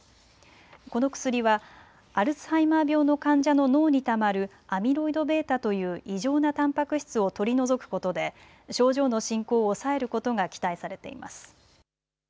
この薬はアルツハイマー病の患者の脳にたまるアミロイドβという異常なたんぱく質を取り除くことで症状の進行を抑えることが期待されています。